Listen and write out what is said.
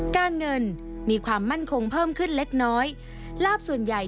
การเงินมีความมั่นคงเพิ่มขึ้นเล็กน้อยลาบส่วนใหญ่